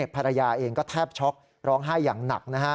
ภรรยาเองก็แทบช็อกร้องไห้อย่างหนักนะฮะ